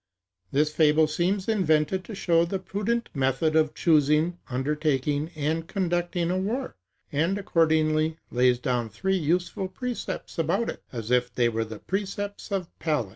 This fable seems invented to show the prudent method of choosing, undertaking, and conducting a war; and, accordingly, lays down three useful precepts about it, as if they were the precepts of Pallas.